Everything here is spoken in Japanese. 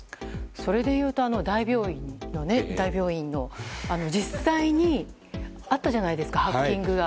それでいうと、大病院で実際にあったじゃないですかハッキングが。